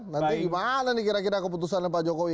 nanti gimana nih kira kira keputusannya pak jokowi